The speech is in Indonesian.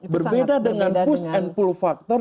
berbeda dengan push and pull factor